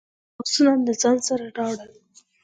ما ډیر الماسونه له ځان سره راوړل.